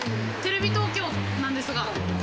テレビ東京なんですが。